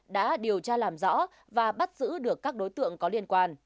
đã điều tra làm rõ và bắt giữ được các đối tượng có liên quan